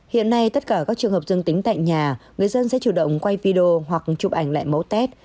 hiện nay tất cả các trường hợp dân tính tại nhà người dân sẽ chủ động quay video hoặc chụp ảnh lại mẫu test